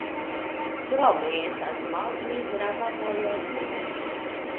Krome estas malpli grava vojo suden.